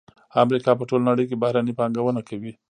امریکا په ټوله نړۍ کې بهرنۍ پانګونه کوي